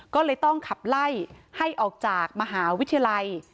ก็เลยต้องขับไล่ให้ออกจากมหาวิทยาลัย